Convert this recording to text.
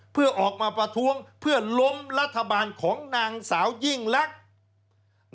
เพื่อออกมาประท้วงเพื่อล้มรัฐบาลของนางสาวยิ่งลักษณ์